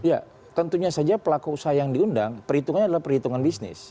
ya tentunya saja pelaku usaha yang diundang perhitungannya adalah perhitungan bisnis